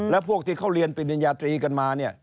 แล้วพวกที่เขาเรียนปริญญาตรีกันมาเนี่ย